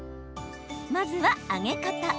まずは揚げ方。